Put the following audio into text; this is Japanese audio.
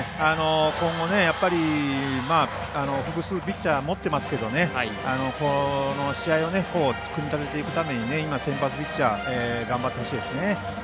今後、複数ピッチャー持ってますけど、この試合を組み立てていくために先発ピッチャー頑張ってほしいですね。